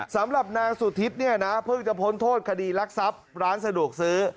สำหรับนางสุธิตเนี่ยนะเพิ่งจะพ้นโทษคดีรักทรัพย์ร้านสะดวกซื้อ